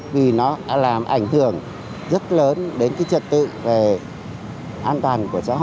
vì nó đã làm ảnh hưởng rất lớn đến chúng ta